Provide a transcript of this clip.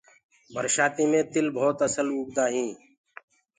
برسآتي مي تِل ڀوت اسل اُگدآ هينٚ۔